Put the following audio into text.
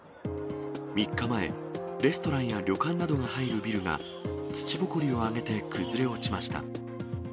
３日前、レストランや旅館などが入るビルが、土ぼこりを上げて崩れ落ちました。